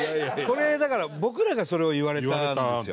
これだから僕らがそれを言われたんですよ。